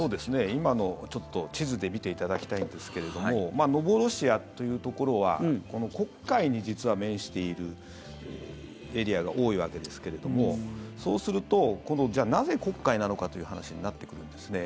今のをちょっと地図で見ていただきたいんですけれどもノボロシアというところは黒海に実は面しているエリアが多いわけですけれどもそうするとじゃあ、なぜ黒海なのかという話になってくるんですね。